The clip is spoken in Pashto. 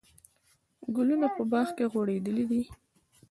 ګلونه په باغ کې غوړېدلي دي.